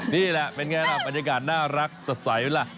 นี่แหละเป็นไงล่ะบรรยากาศน่ารักสดใสไหมล่ะ